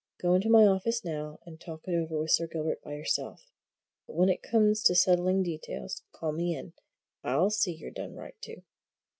Go into my office now and talk it over with Sir Gilbert by yourself. But when it comes to settling details, call me in I'll see you're done right to."